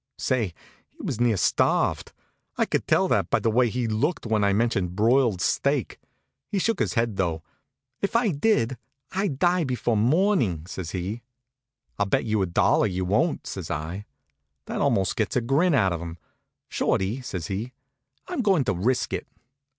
Say, he was near starved. I could tell that by the way he looked when I mentioned broiled steak. He shook his head, though. "If I did, I'd die before morning," says he. "I'll bet you a dollar you wouldn't," says I. That almost gets a grin out of him. "Shorty," says he, "I'm going to risk it."